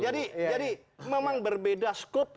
jadi memang berbeda skop